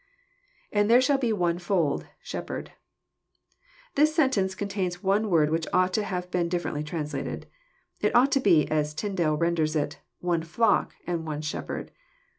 [And there shall he one fold... shepherd.] This sentence con tains one word which ought to have been differently translated. It ought to be, as Tyndale renders it, " one flock and one shep herd."